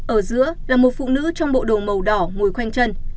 ở giữa là một phụ nữ trong bộ đồ màu đỏ ngồi khoanh chân